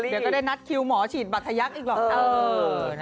เดี๋ยวก็ได้นัดคิวหมอฉีดบัตรทยักษ์อีกหรอก